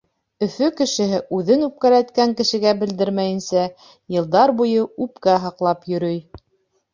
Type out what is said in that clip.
Өфө кешеһе, үҙен үпкәләткән кешегә белдермәйенсә, йылдар буйы үпкә һаҡлап йөрөй.